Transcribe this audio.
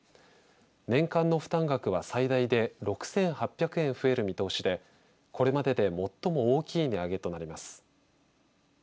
年間の負担額は最大で６８００円増える見通しでこれまでで最も大きい値上げとなります。